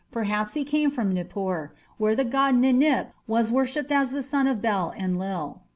Perhaps he came from Nippur, where the god Ninip was worshipped as the son of Bel Enlil.